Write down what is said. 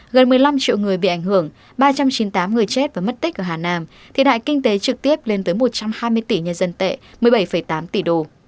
gần một mươi năm triệu người bị ảnh hưởng ba trăm chín mươi tám người chết và mất tích ở hà nam thiệt hại kinh tế trực tiếp lên tới một trăm hai mươi tỷ nhân dân tệ một mươi bảy tám tỷ đồng